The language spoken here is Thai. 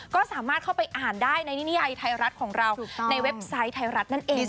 ก็สามารถเข้าไปอ่านได้ในนิยัยไทยรัฐของเราในเว็บไซต์ไทยรัฐนั่นเอง